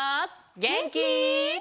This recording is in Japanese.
げんき？